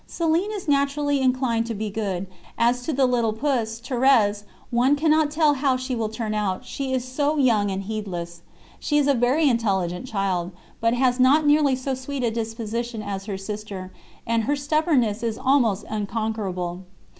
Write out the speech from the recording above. "Céline is naturally inclined to be good; as to the little puss, Thérèse, one cannot tell how she will turn out, she is so young and heedless. She is a very intelligent child, but has not nearly so sweet a disposition as her sister, and her stubbornness is almost unconquerable.